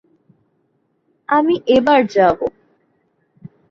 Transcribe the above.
আমি এবার যাবো।